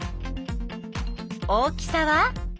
大きさは？